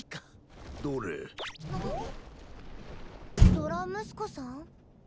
ドラムスコさん？